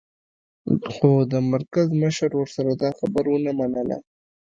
خو د مرکز مشر ورسره دا خبره و نه منله